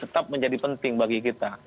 tetap menjadi penting bagi kita